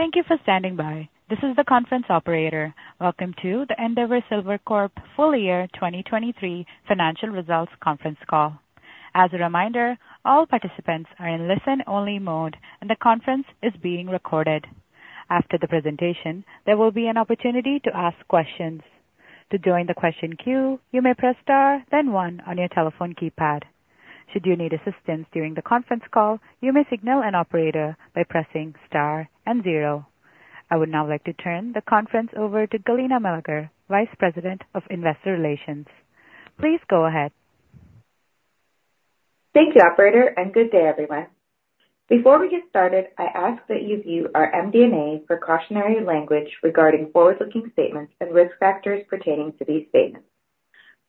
Thank you for standing by. This is the conference operator. Welcome to the Endeavour Silver Corp Full Year 2023 Financial Results Conference Call. As a reminder, all participants are in listen-only mode, and the conference is being recorded. After the presentation, there will be an opportunity to ask questions. To join the question queue, you may press star, then 1 on your telephone keypad. Should you need assistance during the conference call, you may signal an operator by pressing star and zero. I would now like to turn the conference over to Galina Meleger, Vice President of Investor Relations. Please go ahead. Thank you, operator, and good day, everyone. Before we get started, I ask that you view our MD&A for cautionary language regarding forward-looking statements and risk factors pertaining to these statements.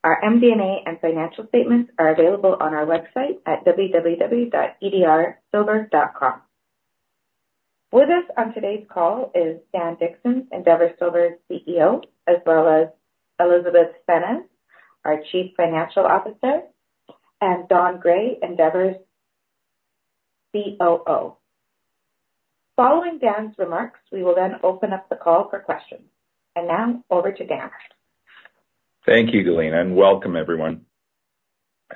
Our MD&A and financial statements are available on our website at www.edrsilver.com. With us on today's call is Dan Dickson, Endeavour Silver's CEO, as well as Elizabeth Senez, our Chief Financial Officer, and Don Gray, Endeavour's COO. Following Dan's remarks, we will then open up the call for questions. Now over to Dan. Thank you, Galina, and welcome, everyone.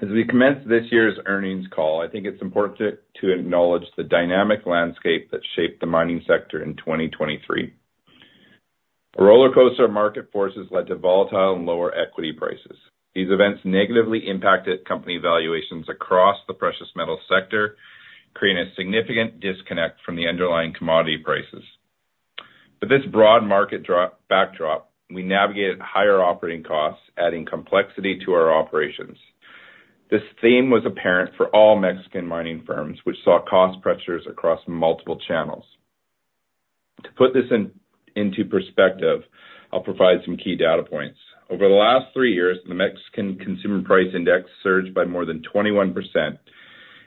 As we commence this year's earnings call, I think it's important to acknowledge the dynamic landscape that shaped the mining sector in 2023. A roller coaster of market forces led to volatile and lower equity prices. These events negatively impacted company valuations across the precious metals sector, creating a significant disconnect from the underlying commodity prices. With this broad market backdrop, we navigated higher operating costs, adding complexity to our operations. This theme was apparent for all Mexican mining firms, which saw cost pressures across multiple channels. To put this into perspective, I'll provide some key data points. Over the last three years, the Mexican Consumer Price Index surged by more than 21%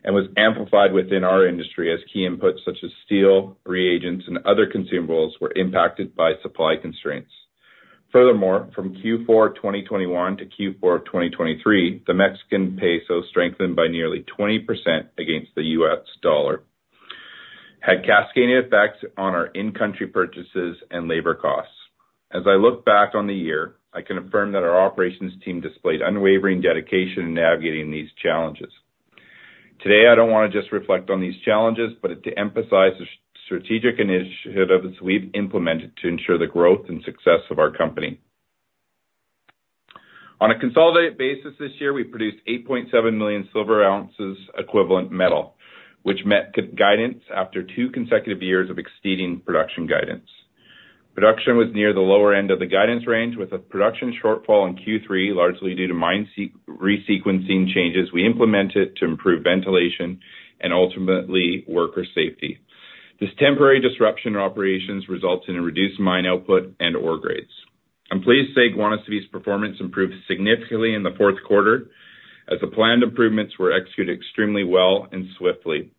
and was amplified within our industry as key inputs such as steel, reagents, and other consumables were impacted by supply constraints. Furthermore, from Q4 2021 to Q4 2023, the Mexican peso strengthened by nearly 20% against the U.S. dollar, had cascading effects on our in-country purchases and labor costs. As I look back on the year, I can affirm that our operations team displayed unwavering dedication in navigating these challenges. Today, I don't want to just reflect on these challenges, but to emphasize the strategic initiative we've implemented to ensure the growth and success of our company. On a consolidated basis this year, we produced 8.7 million silver equivalent ounces, which met guidance after two consecutive years of exceeding production guidance. Production was near the lower end of the guidance range, with a production shortfall in Q3 largely due to mine resequencing changes we implemented to improve ventilation and ultimately worker safety. This temporary disruption in operations resulted in a reduced mine output and ore grades. I'm pleased to say Guanaceví's performance improved significantly in the fourth quarter as the planned improvements were executed extremely well and swiftly.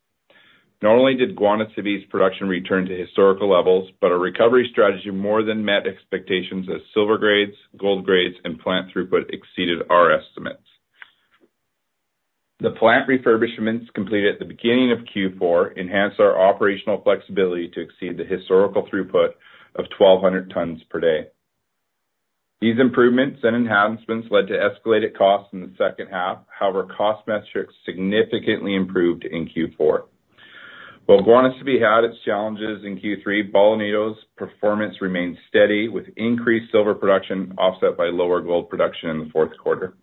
Not only did Guanaceví's production return to historical levels, but our recovery strategy more than met expectations as silver grades, gold grades, and plant throughput exceeded our estimates. The plant refurbishments completed at the beginning of Q4 enhanced our operational flexibility to exceed the historical throughput of 1,200 tons per day. These improvements and enhancements led to escalated costs in the second half. However, cost metrics significantly improved in Q4. While Guanaceví had its challenges in Q3, Bolañitos's performance remained steady, with increased silver production offset by lower gold production in the fourth quarter.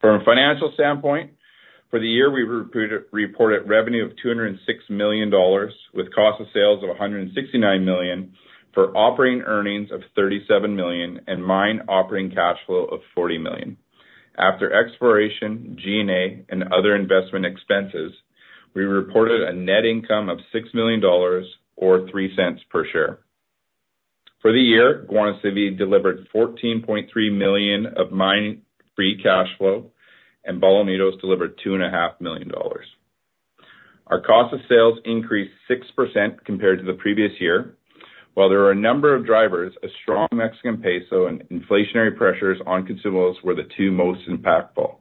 From a financial standpoint, for the year, we reported revenue of $206 million, with cost of sales of $169 million, for operating earnings of $37 million, and mine operating cash flow of $40 million. After exploration, G&A, and other investment expenses, we reported a net income of $6 million or $0.03 per share. For the year, Guanaceví delivered $14.3 million of mine-free cash flow, and Bolañitos delivered $2.5 million. Our cost of sales increased 6% compared to the previous year, while there were a number of drivers: a strong Mexican peso and inflationary pressures on consumables were the two most impactful.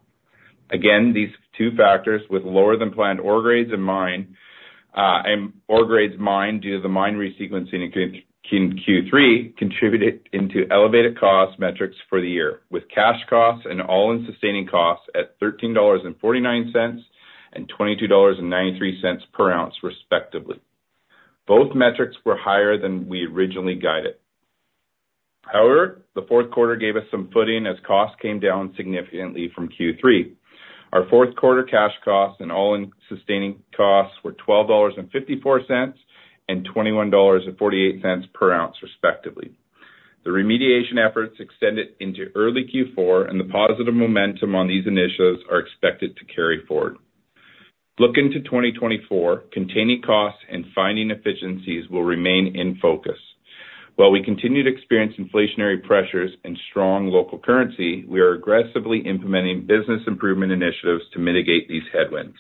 Again, these two factors, with lower-than-planned ore grades mined due to the mine resequencing in Q3, contributed into elevated cost metrics for the year, with cash costs and all-in sustaining costs at $13.49 and $22.93 per ounce, respectively. Both metrics were higher than we originally guided. However, the fourth quarter gave us some footing as costs came down significantly from Q3. Our fourth quarter cash costs and all-in sustaining costs were $12.54 and $21.48 per ounce, respectively. The remediation efforts extended into early Q4, and the positive momentum on these initiatives is expected to carry forward. Looking to 2024, containing costs and finding efficiencies will remain in focus. While we continue to experience inflationary pressures and strong local currency, we are aggressively implementing business improvement initiatives to mitigate these headwinds.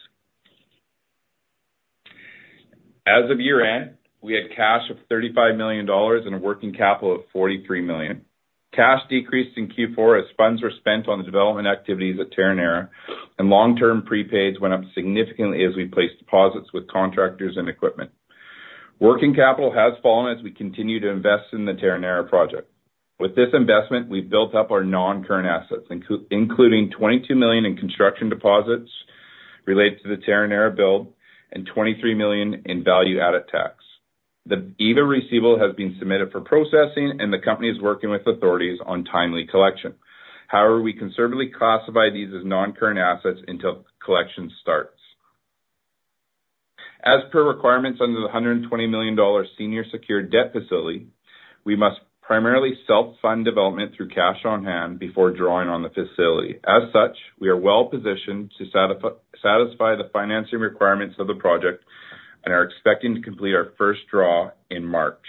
As of year-end, we had cash of $35 million and a working capital of $43 million. Cash decreased in Q4 as funds were spent on the development activities at Terronera, and long-term prepaids went up significantly as we placed deposits with contractors and equipment. Working capital has fallen as we continue to invest in the Terronera project. With this investment, we've built up our non-current assets, including $22 million in construction deposits related to the Terronera build and $23 million in value-added tax. The IVA receivable has been submitted for processing, and the company is working with authorities on timely collection. However, we conservatively classify these as non-current assets until collection starts. As per requirements under the $120 million senior secured debt facility, we must primarily self-fund development through cash on hand before drawing on the facility. As such, we are well-positioned to satisfy the financing requirements of the project and are expecting to complete our first draw in March.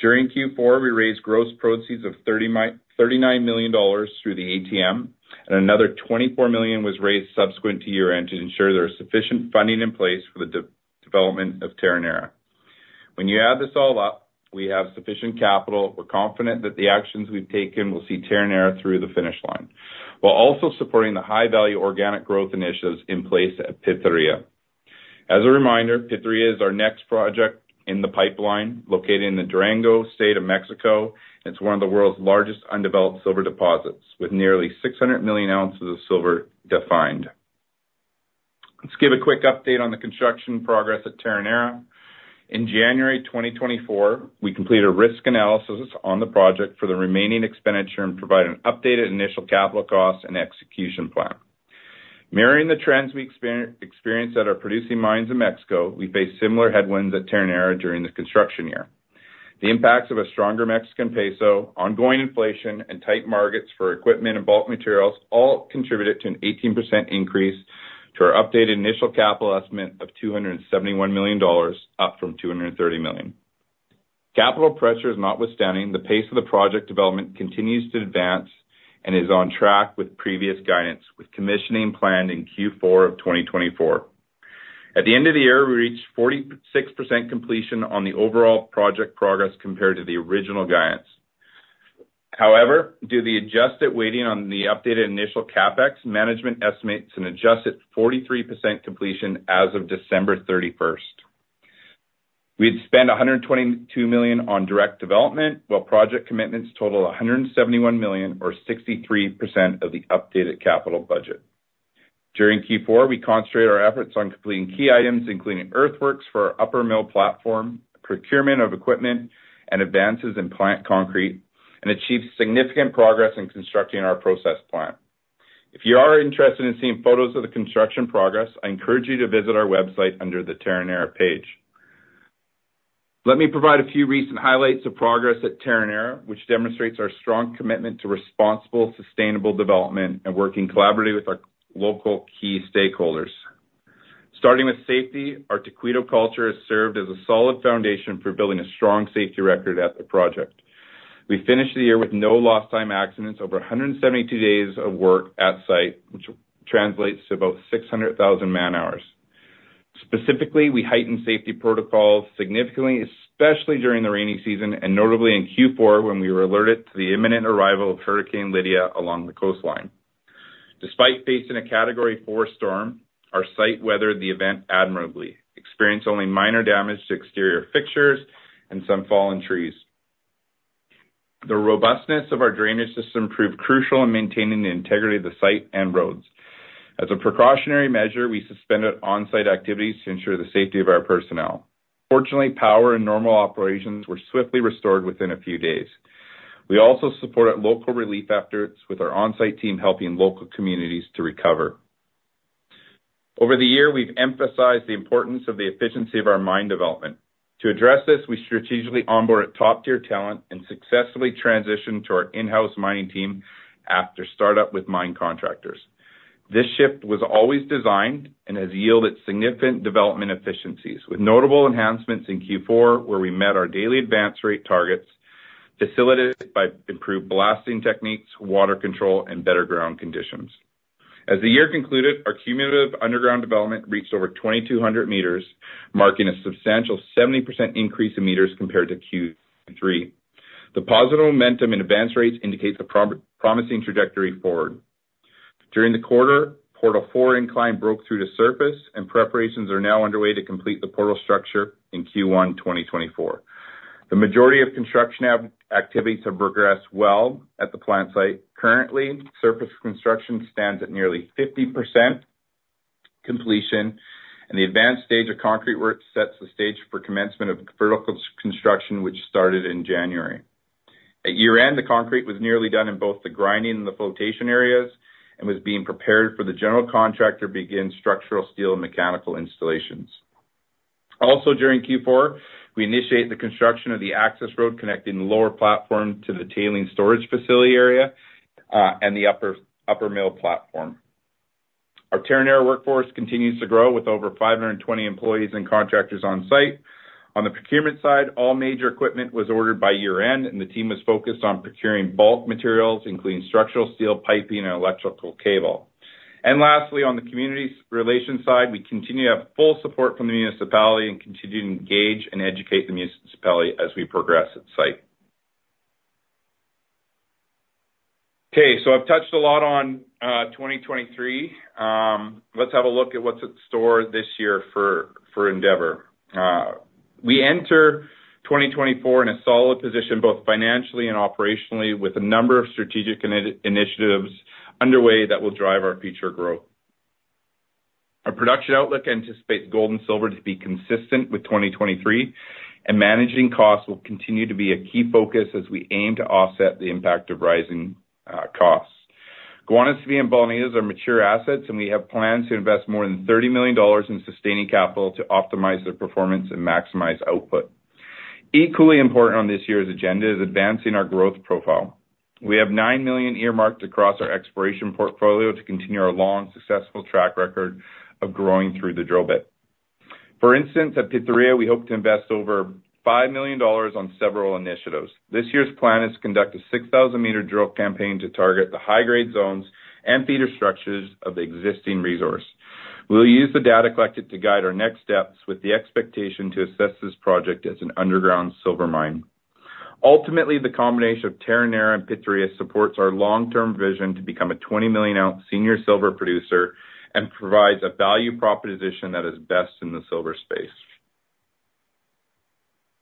During Q4, we raised gross proceeds of $39 million through the ATM, and another $24 million was raised subsequent to year-end to ensure there is sufficient funding in place for the development of Terronera. When you add this all up, we have sufficient capital. We're confident that the actions we've taken will see Terronera through the finish line, while also supporting the high-value organic growth initiatives in place at Pitarrilla. As a reminder, Pitarrilla is our next project in the pipeline, located in the Durango state of Mexico. It's one of the world's largest undeveloped silver deposits, with nearly 600 million ounces of silver defined. Let's give a quick update on the construction progress at Terronera. In January 2024, we completed risk analysis on the project for the remaining expenditure and provided an updated initial capital costs and execution plan. Mirroring the trends we experienced at our producing mines in Mexico, we faced similar headwinds at Terronera during the construction year. The impacts of a stronger Mexican peso, ongoing inflation, and tight markets for equipment and bulk materials all contributed to an 18% increase to our updated initial capital estimate of $271 million, up from $230 million. Capital pressure is notwithstanding, the pace of the project development continues to advance and is on track with previous guidance, with commissioning planned in Q4 of 2024. At the end of the year, we reached 46% completion on the overall project progress compared to the original guidance. However, due to the adjusted weighting on the updated initial CapEx, management estimates an adjusted 43% completion as of December 31st. We had spent $122 million on direct development, while project commitments totaled $171 million, or 63% of the updated capital budget. During Q4, we concentrated our efforts on completing key items, including earthworks for our upper mill platform, procurement of equipment, and advances in plant concrete, and achieved significant progress in constructing our process plant. If you are interested in seeing photos of the construction progress, I encourage you to visit our website under the Terronera page. Let me provide a few recent highlights of progress at Terronera, which demonstrates our strong commitment to responsible, sustainable development and working collaboratively with our local key stakeholders. Starting with safety, our Te Cuido culture has served as a solid foundation for building a strong safety record at the project. We finished the year with no lost-time accidents, over 172 days of work at site, which translates to about 600,000 man-hours. Specifically, we heightened safety protocols significantly, especially during the rainy season, and notably in Q4 when we were alerted to the imminent arrival of Hurricane Lidia along the coastline. Despite facing a Category IV storm, our site weathered the event admirably, experiencing only minor damage to exterior fixtures and some fallen trees. The robustness of our drainage system proved crucial in maintaining the integrity of the site and roads. As a precautionary measure, we suspended on-site activities to ensure the safety of our personnel. Fortunately, power and normal operations were swiftly restored within a few days. We also supported local relief efforts, with our on-site team helping local communities to recover. Over the year, we've emphasized the importance of the efficiency of our mine development. To address this, we strategically onboarded top-tier talent and successfully transitioned to our in-house mining team after startup with mine contractors. This shift was always designed and has yielded significant development efficiencies, with notable enhancements in Q4 where we met our daily advance rate targets, facilitated by improved blasting techniques, water control, and better ground conditions. As the year concluded, our cumulative underground development reached over 2,200 meters, marking a substantial 70% increase in meters compared to Q3. The positive momentum and advance rates indicate a promising trajectory forward. During the quarter, portal 4 incline broke through to surface, and preparations are now underway to complete the portal structure in Q1 2024. The majority of construction activities have progressed well at the plant site. Currently, surface construction stands at nearly 50% completion, and the advanced stage of concrete work sets the stage for commencement of vertical construction, which started in January. At year-end, the concrete was nearly done in both the grinding and the flotation areas and was being prepared for the general contractor to begin structural steel and mechanical installations. Also, during Q4, we initiated the construction of the access road connecting the lower platform to the tailings storage facility area and the upper mill platform. Our Terronera workforce continues to grow, with over 520 employees and contractors on site. On the procurement side, all major equipment was ordered by year-end, and the team was focused on procuring bulk materials, including structural steel, piping, and electrical cable. And lastly, on the community relations side, we continue to have full support from the municipality and continue to engage and educate the municipality as we progress at site. Okay. So I've touched a lot on 2023. Let's have a look at what's in store this year for Endeavour. We enter 2024 in a solid position, both financially and operationally, with a number of strategic initiatives underway that will drive our future growth. Our production outlook anticipates gold and silver to be consistent with 2023, and managing costs will continue to be a key focus as we aim to offset the impact of rising costs. Guanaceví and Bolañitos are mature assets, and we have plans to invest more than $30 million in sustaining capital to optimize their performance and maximize output. Equally important on this year's agenda is advancing our growth profile. We have $9 million earmarked across our exploration portfolio to continue our long, successful track record of growing through the drill bit. For instance, at Pitarrilla, we hope to invest over $5 million on several initiatives. This year's plan is to conduct a 6,000-meter drill campaign to target the high-grade zones and feeder structures of the existing resource. We'll use the data collected to guide our next steps, with the expectation to assess this project as an underground silver mine. Ultimately, the combination of Terronera and Pitarrilla supports our long-term vision to become a 20 million ounce senior silver producer and provides a value proposition that is best in the silver space.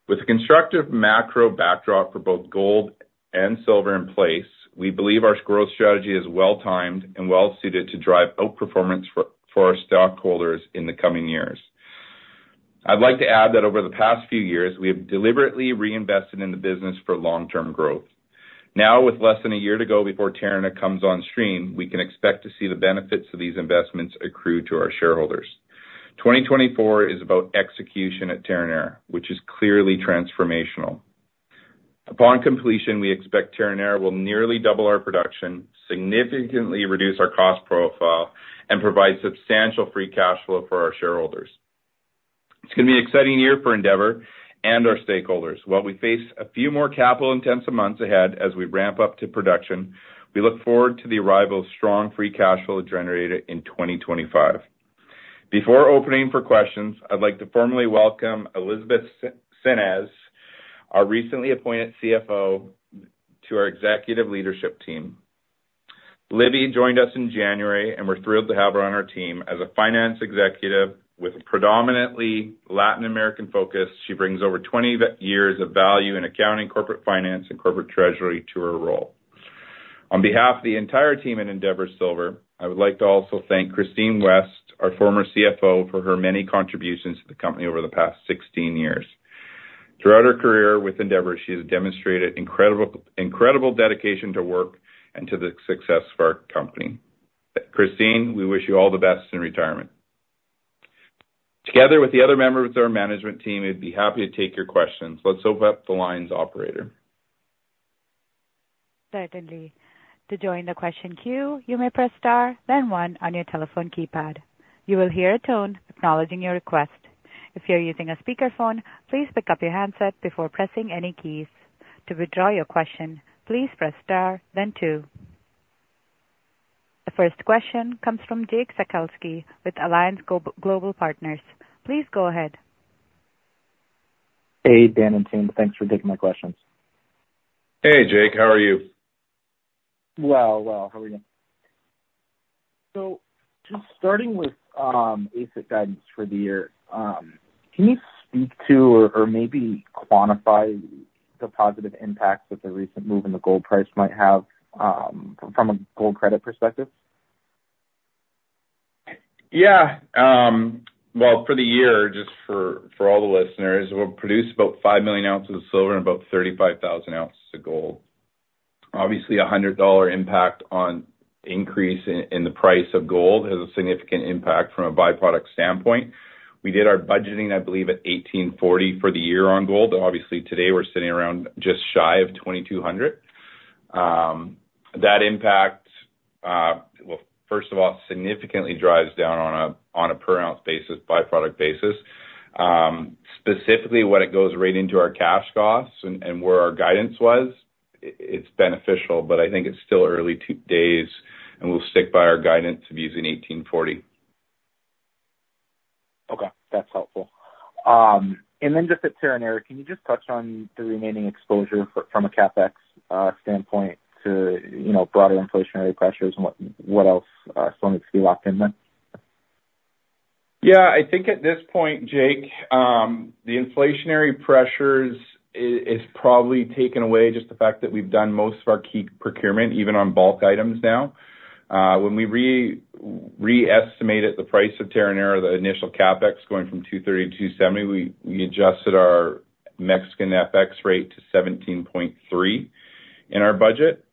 With a constructive macro backdrop for both gold and silver in place, we believe our growth strategy is well-timed and well-suited to drive outperformance for our stockholders in the coming years. I'd like to add that over the past few years, we have deliberately reinvested in the business for long-term growth. Now, with less than a year to go before Terronera comes on stream, we can expect to see the benefits of these investments accrue to our shareholders. 2024 is about execution at Terronera, which is clearly transformational. Upon completion, we expect Terronera will nearly double our production, significantly reduce our cost profile, and provide substantial free cash flow for our shareholders. It's going to be an exciting year for Endeavour and our stakeholders. While we face a few more capital-intensive months ahead as we ramp up to production, we look forward to the arrival of strong free cash flow generated in 2025. Before opening for questions, I'd like to formally welcome Elizabeth Senez, our recently appointed CFO, to our executive leadership team. Libby joined us in January, and we're thrilled to have her on our team as a finance executive with a predominantly Latin American focus. She brings over 20 years of value in accounting, corporate finance, and corporate treasury to her role. On behalf of the entire team at Endeavour Silver, I would like to also thank Christine West, our former CFO, for her many contributions to the company over the past 16 years. Throughout her career with Endeavour, she has demonstrated incredible dedication to work and to the success of our company. Christine, we wish you all the best in retirement. Together with the other members of our management team, we'd be happy to take your questions. Let's open up the lines, operator. Certainly. To join the question queue, you may press star, then one on your telephone keypad. You will hear a tone acknowledging your request. If you're using a speakerphone, please pick up your handset before pressing any keys. To withdraw your question, please press star, then two. The first question comes from Jake Sekelsky with Alliance Global Partners. Please go ahead. Hey, Dan and team. Thanks for taking my questions. Hey, Jake. How are you? Well, well. How are you? So just starting with AISC guidance for the year, can you speak to or maybe quantify the positive impacts that the recent move in the gold price might have from a gold credit perspective? Yeah. Well, for the year, just for all the listeners, we'll produce about 5 million ounces of silver and about 35,000 ounces of gold. Obviously, a $100 impact on increase in the price of gold has a significant impact from a byproduct standpoint. We did our budgeting, I believe, at 1,840 for the year on gold. Obviously, today, we're sitting around just shy of 2,200. That impact, well, first of all, significantly drives down on a per-ounce basis, byproduct basis. Specifically, when it goes right into our cash costs and where our guidance was, it's beneficial, but I think it's still early days, and we'll stick by our guidance of using 1,840. Okay. That's helpful. And then just at Terronera, can you just touch on the remaining exposure from a CapEx standpoint to broader inflationary pressures and what else still needs to be locked in there? Yeah. I think at this point, Jake, the inflationary pressures have probably taken away just the fact that we've done most of our key procurement, even on bulk items now. When we re-estimated the price of Terronera, the initial CapEx going from $230 million-$270 million, we adjusted our Mexican FX rate to 17.3 in our budget.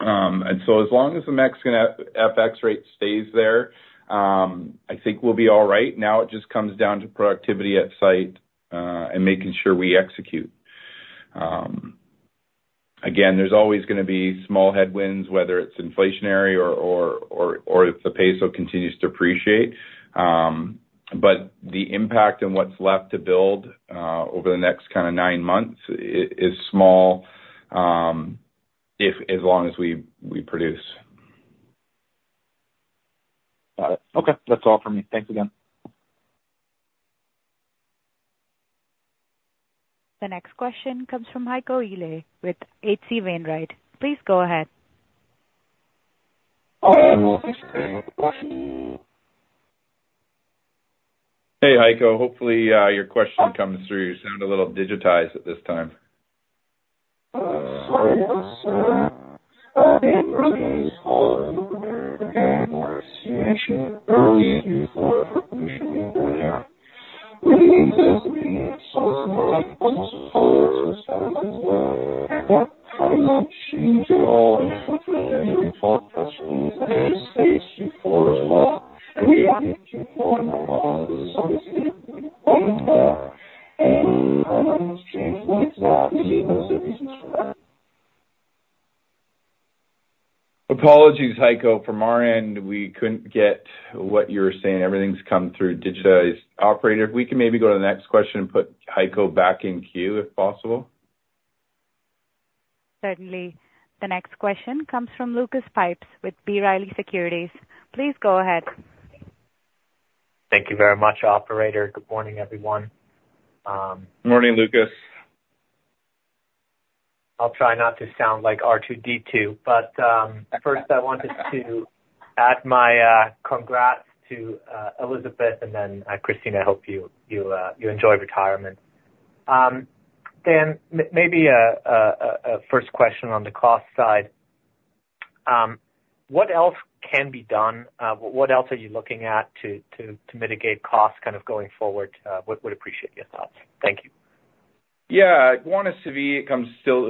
And so as long as the Mexican FX rate stays there, I think we'll be all right. Now it just comes down to productivity at site and making sure we execute. Again, there's always going to be small headwinds, whether it's inflationary or if the peso continues to appreciate. But the impact and what's left to build over the next kind of nine months is small as long as we produce. Got it. Okay. That's all from me. Thanks again. The next question comes from Heiko Ihle with H.C. Wainwright. Please go ahead. Hey, Heiko. Hopefully, your question comes through. You sound a little digitized at this time. Apologies, Heiko. From our end, we couldn't get what you were saying. Everything's come through digitized. Operator, if we can maybe go to the next question and put Heiko back in queue if possible. Certainly. The next question comes from Lucas Pipes with B. Riley Securities. Please go ahead. Thank you very much, operator. Good morning, everyone. Good morning, Lucas. I'll try not to sound like R2D2, but first, I wanted to add my congrats to Elizabeth and then Christine. I hope you enjoy retirement. Dan, maybe a first question on the cost side. What else can be done? What else are you looking at to mitigate costs kind of going forward? We'd appreciate your thoughts. Thank you. Yeah. Guanaceví,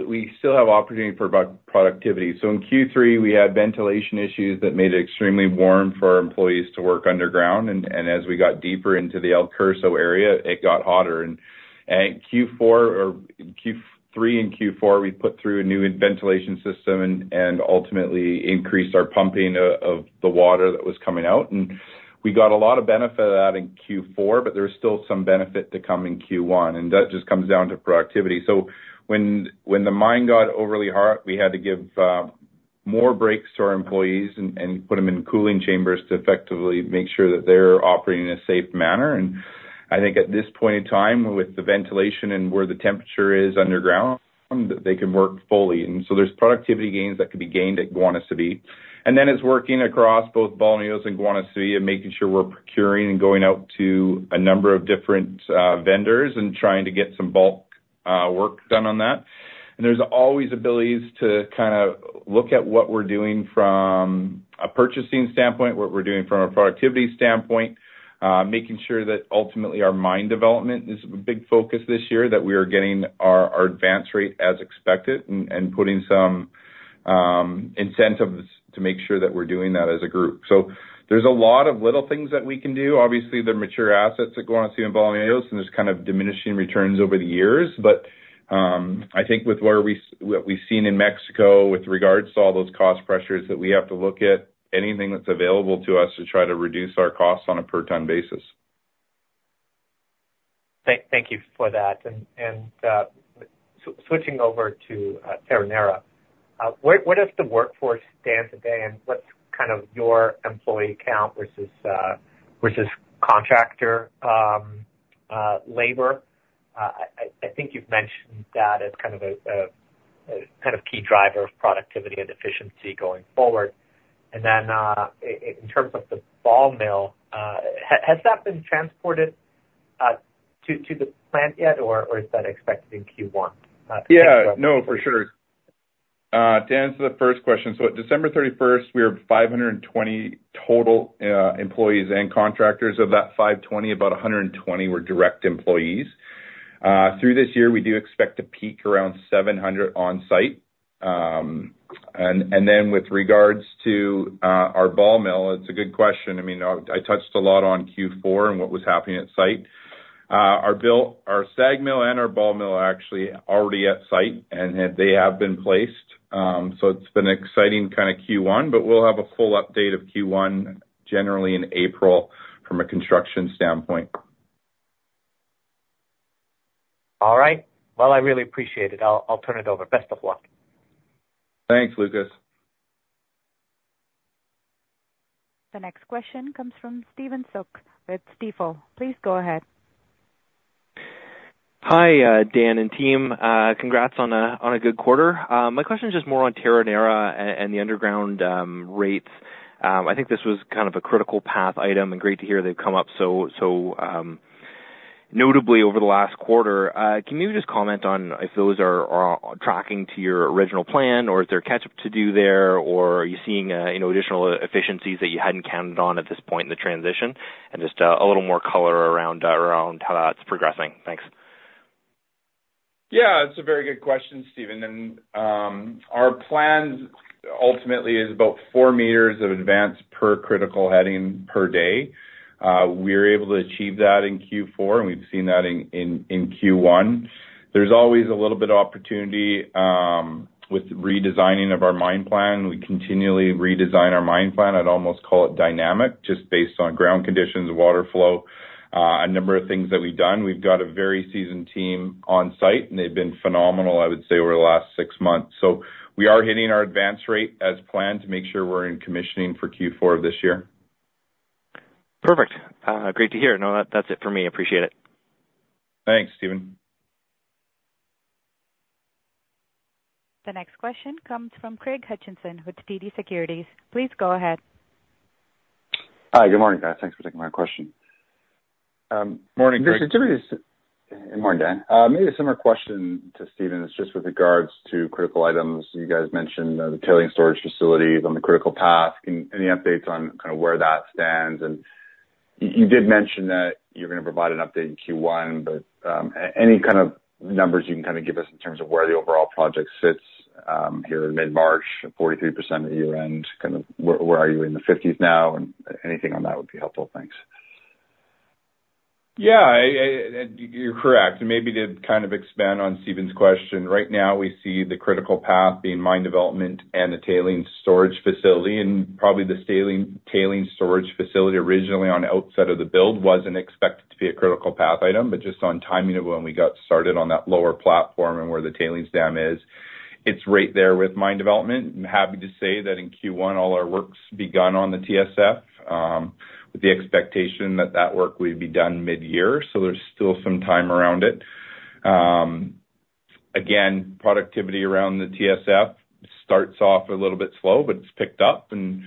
we still have opportunity for productivity. So in Q3, we had ventilation issues that made it extremely warm for our employees to work underground. And as we got deeper into the El Curso area, it got hotter. And in Q3 and Q4, we put through a new ventilation system and ultimately increased our pumping of the water that was coming out. And we got a lot of benefit of that in Q4, but there was still some benefit to come in Q1. That just comes down to productivity. So when the mine got overly hot, we had to give more breaks to our employees and put them in cooling chambers to effectively make sure that they're operating in a safe manner. I think at this point in time, with the ventilation and where the temperature is underground, they can work fully. So there's productivity gains that could be gained at Guanaceví. Then it's working across both Bolañitos and Guanaceví and making sure we're procuring and going out to a number of different vendors and trying to get some bulk work done on that. There's always abilities to kind of look at what we're doing from a purchasing standpoint, what we're doing from a productivity standpoint, making sure that ultimately our mine development is a big focus this year, that we are getting our advance rate as expected and putting some incentives to make sure that we're doing that as a group. So there's a lot of little things that we can do. Obviously, there are mature assets at Guanaceví and Bolañitos, and there's kind of diminishing returns over the years. But I think with what we've seen in Mexico with regards to all those cost pressures that we have to look at, anything that's available to us to try to reduce our costs on a per-ton basis. Thank you for that. Switching over to Terronera, where does the workforce stand today, and what's kind of your employee count versus contractor labor? I think you've mentioned that as kind of a kind of key driver of productivity and efficiency going forward. And then in terms of the ball mill, has that been transported to the plant yet, or is that expected in Q1? Yeah. No, for sure. Then, for the first question. So at December 31st, we have 520 total employees and contractors. Of that 520, about 120 were direct employees. Through this year, we do expect to peak around 700 on site. And then with regards to our ball mill, it's a good question. I mean, I touched a lot on Q4 and what was happening at site. Our SAG mill and our ball mill are actually already at site, and they have been placed. So it's been an exciting kind of Q1, but we'll have a full update of Q1 generally in April from a construction standpoint. All right. Well, I really appreciate it. I'll turn it over. Best of luck. Thanks, Lucas. The next question comes from Stephen Soock with Stifel. Please go ahead. Hi, Dan and team. Congrats on a good quarter. My question is just more on Terronera and the underground rates. I think this was kind of a critical path item, and great to hear they've come up so notably over the last quarter. Can you just comment on if those are tracking to your original plan, or is there catch-up to do there, or are you seeing additional efficiencies that you hadn't counted on at this point in the transition, and just a little more color around how that's progressing? Thanks. Yeah. It's a very good question, Stephen. Our plan ultimately is about four meters of advance per critical heading per day. We're able to achieve that in Q4, and we've seen that in Q1. There's always a little bit of opportunity with redesigning of our mine plan. We continually redesign our mine plan. I'd almost call it dynamic just based on ground conditions, water flow, a number of things that we've done. We've got a very seasoned team on site, and they've been phenomenal, I would say, over the last six months. So we are hitting our advance rate as planned to make sure we're in commissioning for Q4 of this year. Perfect. Great to hear. No, that's it for me. Appreciate it. Thanks, Stephen. The next question comes from Craig Hutchison with TD Securities. Please go ahead. Hi. Good morning, guys. Thanks for taking my question. Morning, Craig. Good morning, Dan. Maybe a similar question to Steven. It's just with regards to critical items. You guys mentioned the tailings storage facilities on the critical path. Any updates on kind of where that stands? And you did mention that you're going to provide an update in Q1, but any kind of numbers you can kind of give us in terms of where the overall project sits here in mid-March, 43% at year-end, kind of where are you in the 50s now? Anything on that would be helpful. Thanks. Yeah. You're correct. And maybe to kind of expand on Steven's question, right now, we see the critical path being mine development and the tailings storage facility. Probably the tailings storage facility originally on the outside of the build wasn't expected to be a critical path item, but just on timing of when we got started on that lower platform and where the tailings dam is, it's right there with mine development. I'm happy to say that in Q1, all our work's begun on the TSF with the expectation that that work would be done mid-year. So there's still some time around it. Again, productivity around the TSF starts off a little bit slow, but it's picked up. And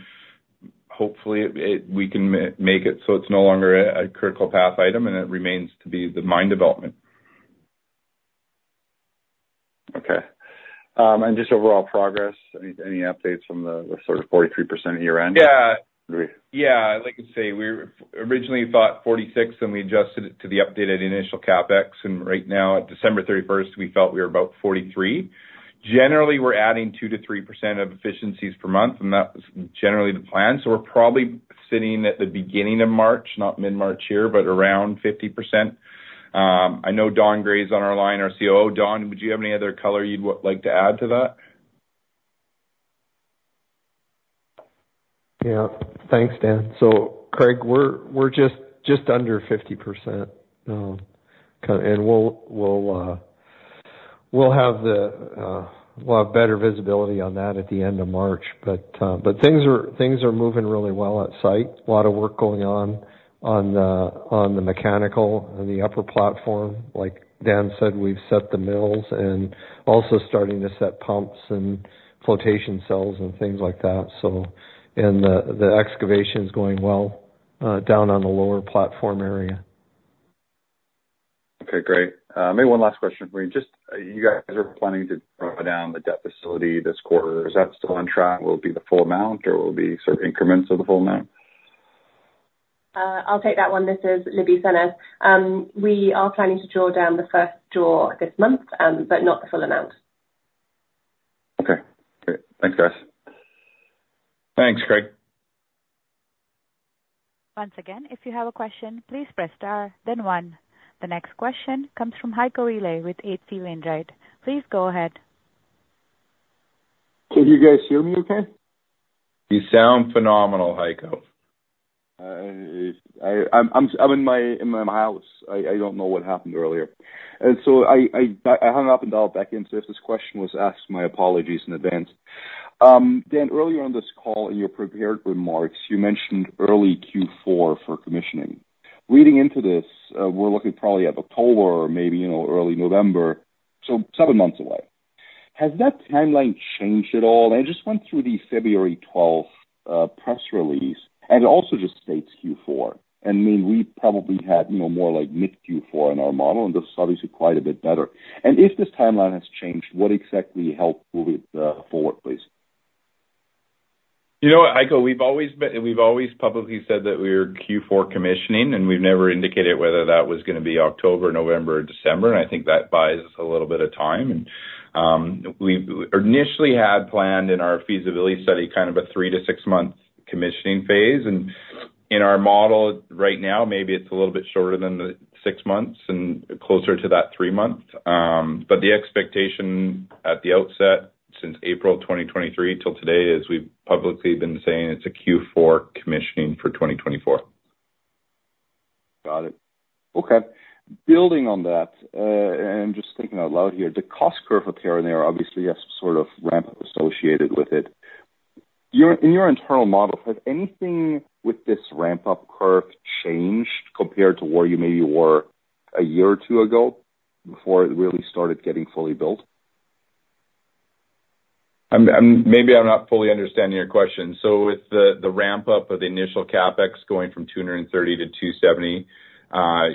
hopefully, we can make it so it's no longer a critical path item, and it remains to be the mine development. Okay. And just overall progress, any updates from the sort of 43% year-end? Yeah. Yeah. Like I say, we originally thought 46%, and we adjusted it to the updated initial CapEx. Right now, at December 31st, we felt we were about 43%. Generally, we're adding 2%-3% of efficiencies per month, and that was generally the plan. We're probably sitting at the beginning of March, not mid-March here, but around 50%. I know Don Gray's on our line, our COO. Don, would you have any other color you'd like to add to that? Yeah. Thanks, Dan. So Craig, we're just under 50%. And we'll have better visibility on that at the end of March. But things are moving really well at site. A lot of work going on on the mechanical and the upper platform. Like Dan said, we've set the mills and also starting to set pumps and flotation cells and things like that. And the excavation's going well down on the lower platform area. Okay. Great. Maybe one last question for me. You guys are planning to draw down the debt facility this quarter. Is that still on track? Will it be the full amount, or will it be sort of increments of the full amount? I'll take that one. This is Libby Senez. We are planning to draw down the first draw this month, but not the full amount. Okay. Great. Thanks, guys. Thanks, Craig. Once again, if you have a question, please press star, then one. The next question comes from Heiko Ihle with H.C. Wainwright. Please go ahead. Can you guys hear me okay? You sound phenomenal, Heiko. I'm in my house. I don't know what happened earlier. And so I hung up and dialed back in. So if this question was asked, my apologies in advance. Dan, earlier on this call in your prepared remarks, you mentioned early Q4 for commissioning. Reading into this, we're looking probably at October or maybe early November, so seven months away. Has that timeline changed at all? And I just went through the February 12th press release, and it also just states Q4. And I mean, we probably had more like mid-Q4 in our model, and this is obviously quite a bit better. And if this timeline has changed, what exactly helped move it forward, please? You know what, Heiko? We've always publicly said that we were Q4 commissioning, and we've never indicated whether that was going to be October, November, or December. And I think that buys us a little bit of time. And we initially had planned in our feasibility study kind of a three to six-month commissioning phase. And in our model right now, maybe it's a little bit shorter than the six months and closer to that three-month. But the expectation at the outset, since April 2023 till today, is we've publicly been saying it's a Q4 commissioning for 2024. Got it. Okay. Building on that and just thinking out loud here, the cost curve of Terronera, obviously, has sort of ramp-up associated with it. In your internal models, has anything with this ramp-up curve changed compared to where you maybe were a year or two ago before it really started getting fully built? Maybe I'm not fully understanding your question. So with the ramp-up of the initial CapEx going from $230 to $270,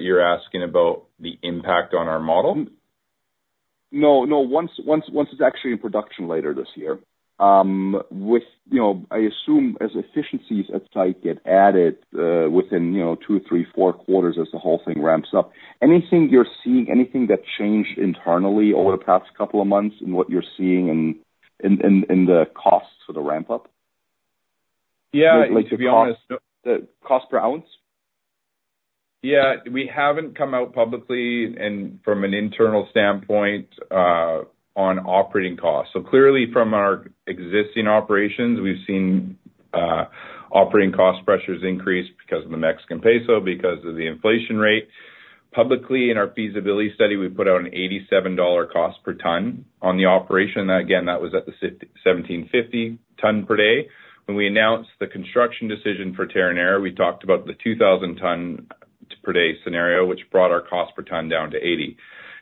you're asking about the impact on our model? No. No. Once it's actually in production later this year, I assume as efficiencies at site get added within 2, 3, 4 quarters as the whole thing ramps up, anything you're seeing, anything that changed internally over the past couple of months in what you're seeing in the costs for the ramp-up? Yeah. To be honest, the cost per ounce? Yeah. We haven't come out publicly from an internal standpoint on operating costs. So clearly, from our existing operations, we've seen operating cost pressures increase because of the Mexican peso, because of the inflation rate. Publicly, in our feasibility study, we put out an $87 cost per ton on the operation. Again, that was at the 1,750 ton per day. When we announced the construction decision for Terronera, we talked about the 2,000 ton per day scenario, which brought our cost per ton down to $80.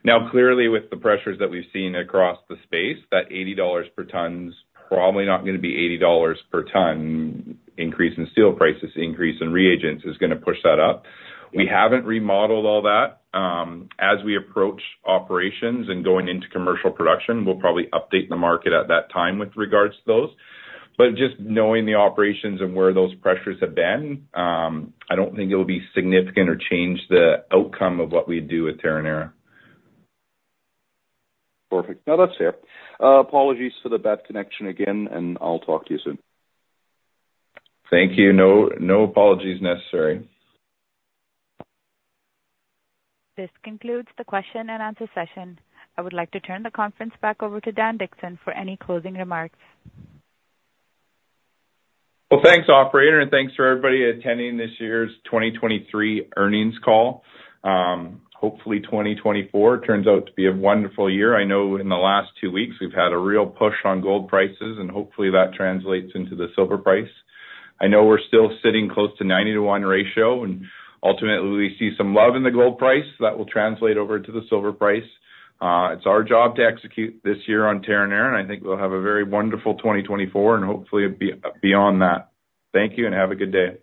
Now, clearly, with the pressures that we've seen across the space, that $80 per ton's probably not going to be $80 per ton increase in steel prices, increase in reagents is going to push that up. We haven't remodeled all that. As we approach operations and going into commercial production, we'll probably update the market at that time with regards to those. But just knowing the operations and where those pressures have been, I don't think it'll be significant or change the outcome of what we do with Terronera. Perfect. No, that's fair. Apologies for the bad connection again, and I'll talk to you soon. Thank you. No apologies necessary. This concludes the question and answer session. I would like to turn the conference back over to Dan Dickson for any closing remarks. Well, thanks, operator, and thanks for everybody attending this year's 2023 earnings call. Hopefully, 2024 turns out to be a wonderful year. I know in the last two weeks, we've had a real push on gold prices, and hopefully, that translates into the silver price. I know we're still sitting close to 90-to-1 ratio, and ultimately, we see some love in the gold price. That will translate over to the silver price. It's our job to execute this year on Terronera, and I think we'll have a very wonderful 2024 and hopefully beyond that. Thank you, and have a good day.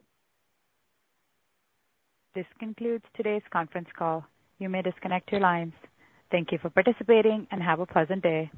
This concludes today's conference call. You may disconnect your lines. Thank you for participating, and have a pleasant day.